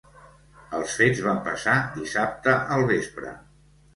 Els fets van passar dissabte al vespre.